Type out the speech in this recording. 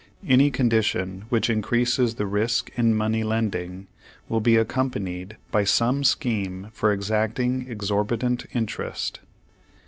Any condition which in creases the risk in money lending will be accom panied by some scheme for exacting exorbitant interest.